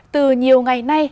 từ nhiều ngày nay